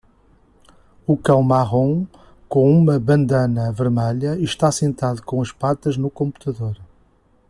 O cão marrom com uma bandana vermelha está sentado com as patas no computador.